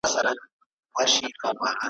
له هغه ځایه را کوز پر یوه بام سو ,